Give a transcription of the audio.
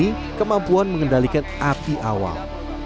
ini kemampuan mengendalikan api awal